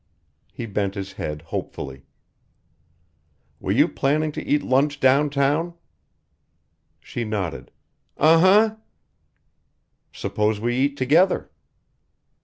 He bent his head hopefully "Were you planning to eat lunch downtown?" She nodded. "Uh huh!" "Suppose we eat together?"